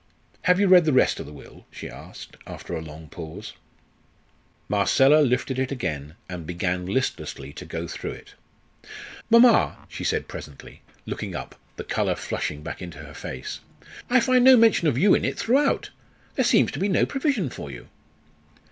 "Have you read the rest of the will?" she asked, after a long pause. Marcella lifted it again, and began listlessly to go through it. "Mamma!" she said presently, looking up, the colour flushing back into her face, "I find no mention of you in it throughout. There seems to be no provision for you."